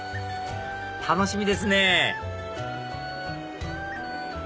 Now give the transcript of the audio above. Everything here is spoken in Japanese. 楽しみですね